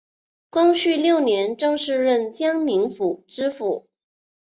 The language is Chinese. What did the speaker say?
光绪六年正式任江宁府知府。